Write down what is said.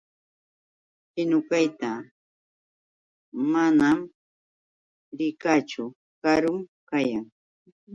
Kinukayta manam rikaachu. Karun kayan.